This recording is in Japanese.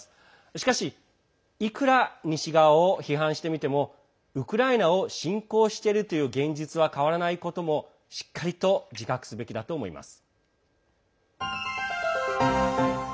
しかしいくら西側を批判してみてもウクライナを侵攻しているという現実は変わらないこともしっかりと自覚すべきだと思います。